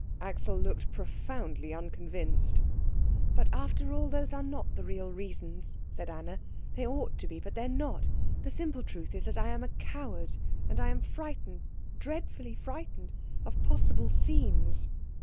Axel looked profoundly unconvinced. "But after all those are not the real reasons," said Anna; "they ought to be, but they're not. The simple truth is that I am a coward, and I am frightened dreadfully frightened of possible scenes."